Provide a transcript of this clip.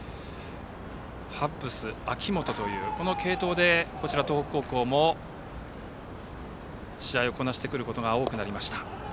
ハッブス、秋本という継投で東北高校も試合をこなしてくることが多くなりました。